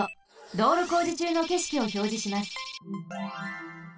どうろこうじちゅうのけしきをひょうじします。